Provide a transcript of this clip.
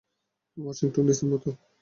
Washington ডিসির মত।